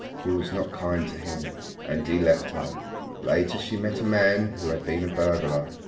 She was not kind to him. And he left her. Later she met a man who had been a burglar.